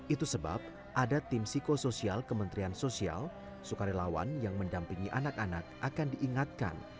itu sebab ada tim psikosoial kementerian sosial sukarelawan yang mendampingi anak anak akan diingatkan